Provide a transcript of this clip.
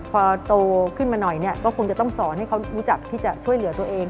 พอโตขึ้นมาหน่อยเนี่ยก็คงจะต้องสอนให้เขารู้จักที่จะช่วยเหลือตัวเอง